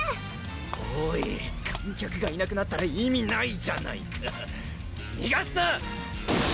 おい観客がいなくなったら意味ないじゃないかにがすな！